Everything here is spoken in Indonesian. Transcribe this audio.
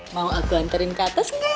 mau aku anterin ke atas